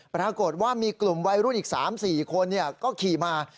ปรากฏว่ามีกลุ่มวัยรุ่นอีก๓๔คนก็ขี่มา